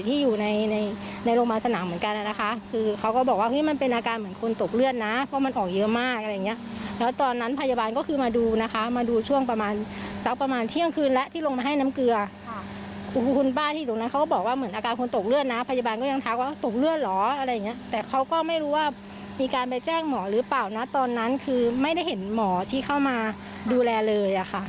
แต่เขาก็ไม่รู้ว่ามีการไปแจ้งหมอหรือเปล่านะตอนนั้นคือไม่ได้เห็นหมอที่เข้ามาดูแลเลยอะค่ะ